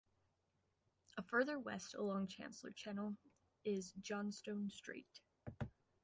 A further west along Chancellor Channel is Johnstone Strait.